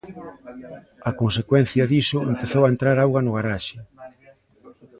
A consecuencia diso, empezou a entrar auga no garaxe.